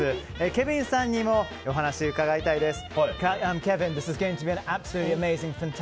ケビンさんにもお話を伺いたいです。